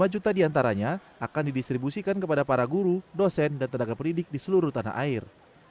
lima juta diantaranya akan didistribusikan kepada para guru dosen dan tenaga pendidik di seluruh tanah air